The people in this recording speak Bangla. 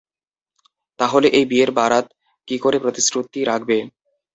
তাহলে এই বিয়ের বারাত কী করে প্রতিশ্রুতি রাখবে।